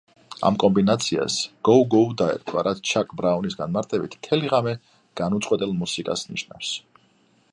ამ კომბინაციას „გოუ-გოუ“ დაერქვა, რაც ჩაკ ბრაუნის განმარტებით, მთელი ღამე განუწყვეტელ მუსიკას ნიშნავს.